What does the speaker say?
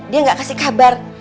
dia nggak kasih kabar